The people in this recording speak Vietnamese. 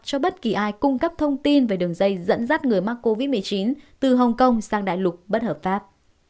cho bất kỳ ai cung cấp thông tin về đường dây dẫn dắt người mắc covid một mươi chín từ hồng kông sang đại lục bất hợp pháp